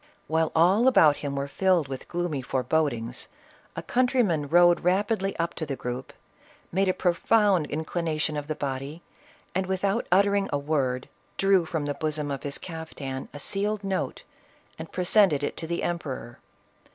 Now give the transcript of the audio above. While all about him were filled with gloomy forebo dings, a countryman rode rapidly up to the group, made a profound inclination of the body, and, without uttering a word, drew from the bosom of his caftan a sealed note and presented it to the emperor.